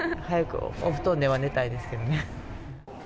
早くお布団では寝たいですけどね。